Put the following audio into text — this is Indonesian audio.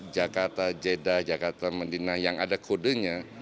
jakarta jeddah jakarta medinah yang ada kodenya